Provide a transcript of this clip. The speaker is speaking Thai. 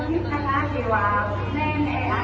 ที่กระทับพิษนะครับ